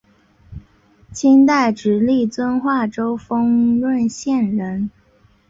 清代直隶遵化州丰润县人。